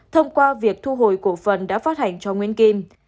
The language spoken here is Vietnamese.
thông qua việc thu hồi cổ phần đã phát hành cho nguyễn kim